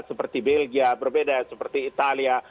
seperti belgia berbeda seperti italia